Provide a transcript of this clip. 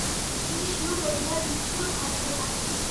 তিনি স্বীয় প্রতিভার বিচ্ছুরণ ঘটাতে থাকেন।